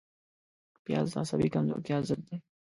پیاز د عصبي کمزورتیا ضد دی